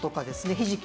ひじき